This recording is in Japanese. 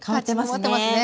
香ってますね。